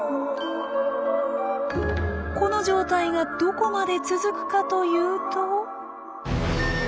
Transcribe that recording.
この状態がどこまで続くかというと。